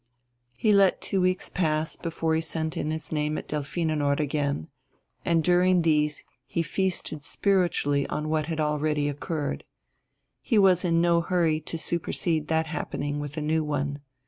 He let two weeks pass before he sent in his name at Delphinenort again, and during these he feasted spiritually on what had already occurred. He was in no hurry to supersede that happening with a new one.